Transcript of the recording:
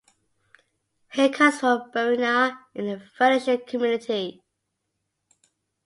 He comes from Burriana in the Valencian Community.